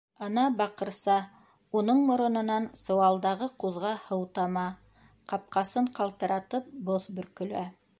Ана баҡырса, уның морононан сыуалдағы ҡуҙға һыу тама, ҡапҡасын ҡалтыратып, боҫ бөркөлә.